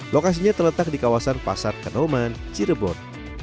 lokasinya terletak di kawasan pasar kanoman cirebon